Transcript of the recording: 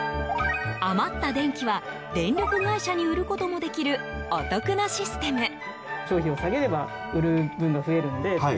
余った電気は電力会社に売ることもできるお得なシステム。